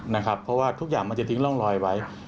เพราะว่าทุกอย่างมันจะทิ้งร่องรอยไว้